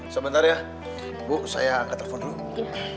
sebentar ya bu saya nggak telepon dulu